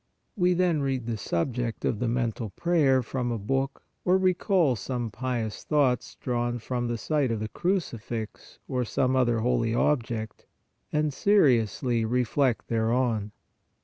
We then read the subject of the men tal prayer from a book or recall some pious thoughts drawn from the sight of the crucifix or some other holy object, and seriously reflect thereon.